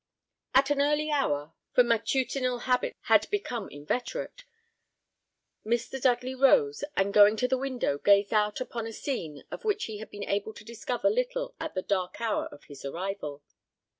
At an early hour for matutinal habits had become inveterate Mr. Dudley rose, and going to the window, gazed out upon a scene of which he had been able to discover little at the dark hour of his arrival.